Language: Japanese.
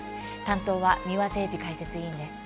担当は三輪誠司解説委員です。